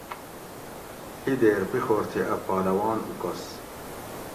ڷی دیر پیخور تھی اۤ پہلوان اوکس